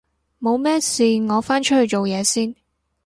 冇咩事我返出去做嘢先